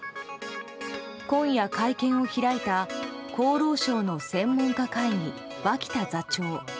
今夜、会見を開いた厚労省の専門家会議、脇田座長。